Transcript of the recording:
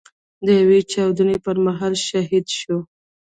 د يوې چاودنې پر مهال شهيد شو.